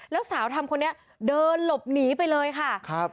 แล้วสาวธรรมคนนี้เดินหลบหนีไปเลยค่ะ